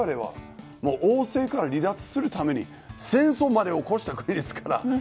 王政から離脱するために戦争まで起こした国ですから。